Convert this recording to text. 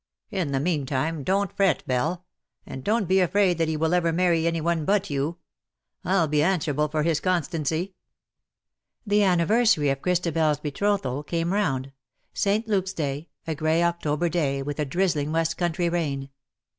In the meantime don^t fretj Belle — and don^t be afraid that he will ever marry any one but you, V\\ be answerable for his constancy.''^ The anniversary of ChristabePs betrothal came round, St. Luke^s Day — ^a grey October day — with a drizzling West country rain.